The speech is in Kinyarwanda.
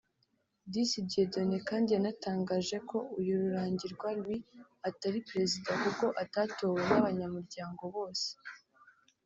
Disi Dieudonné kandi yanatangaje ko uyu Rurangirwa Louis atari Perezida kuko atatowe n’abanyamuryango bose